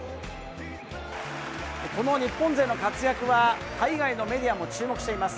この日本勢の活躍は、海外のメディアも注目しています。